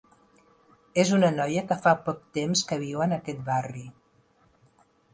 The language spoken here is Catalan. Es una noia que fa poc temps que viu en aquest barri